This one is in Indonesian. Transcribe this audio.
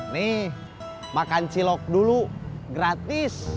nih makan cilok dulu gratis